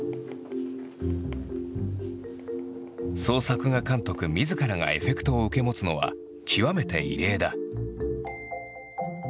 総作画監督みずからがエフェクトを受け持つのは極めて異例だ。